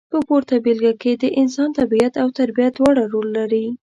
په پورته بېلګه کې د انسان طبیعت او تربیه دواړه رول لري.